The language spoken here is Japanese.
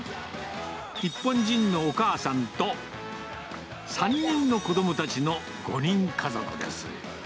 日本人のお母さんと、３人の子どもたちの５人家族です。